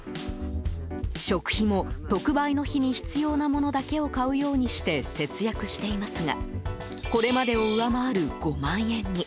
食費も、特売の日に必要なものだけを買うようにして節約していますがこれまでを上回る５万円に。